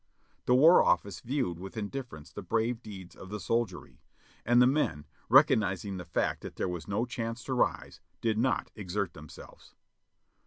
The War Office viewed with indifference the brave deeds of the soldiery, and the men, recognizing the fact that there was no chance to rise, did not exert themselves.